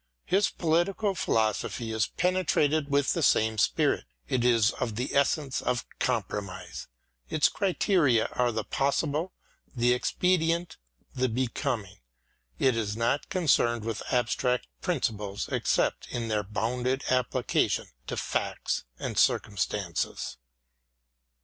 His political philosophy is pene trated with the same spirit : it is of the essence of compromise : its criteria are the possible, the expedient, the becoming : it is not concerned with abstract principles except in their bounded application to facts and circumstances.